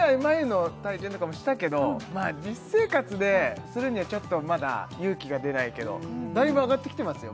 眉の体験とかもしたけどまあ実生活でするにはちょっとまだ勇気が出ないけどだいぶ上がってきてますよ